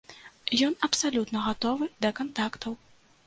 Ён абсалютна гатовы да кантактаў.